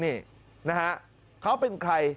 นี่นะครับเขาเป็นใคร